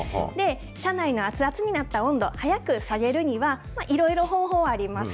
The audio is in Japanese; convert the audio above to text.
車内の熱々になった温度、早く下げるには、いろいろ方法あります。